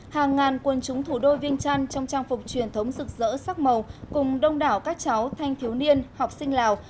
hàng ngàn quân chúng thủ đô viên trăn trong trang phục truyền thống rực rỡ sắc màu cùng đông đảo các cháu thanh thiếu niên học sinh lào